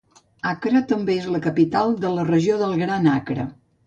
Accra també és la capital de la Regió del Gran Accra.